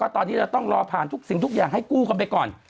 ตอนนี้เราต้องรอผ่านทุกสิ่งทุกอย่างให้กู้กันไปก่อน